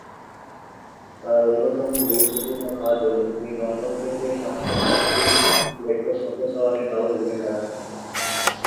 তাঁর অন্যতম গুরুত্বপূর্ণ কাজ হল, তিনি দমদম কেন্দ্রের সাংসদ থাকাকালীন মেট্রো সম্প্রসারণে দারুন ভূমিকা রাখেন।